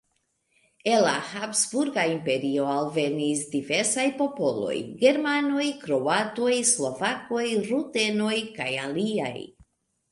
El la Habsburga Imperio alvenis diversaj popoloj: germanoj, kroatoj, slovakoj, rutenoj kaj aliaj.